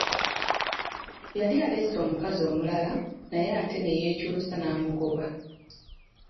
Yali aleese omukazi omulala naye ate ne yeekyusa n'amugoba.